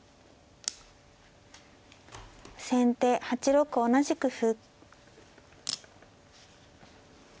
先手８六同じく歩。